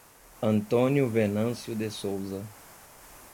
Antônio Venancio de Souza